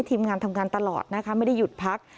ทีมงานทำงานตลอดนะคะไม่ได้หยุดพัก